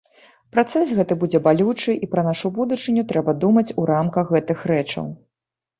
Працэс гэты будзе балючы і пра нашу будучыню трэба думаць у рамках гэтых рэчаў.